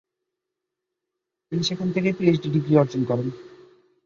তিনি সেখান থেকেই পিএইচডি ডিগ্রি অর্জন করেন।